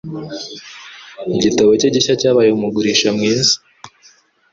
Igitabo cye gishya cyabaye umugurisha mwiza.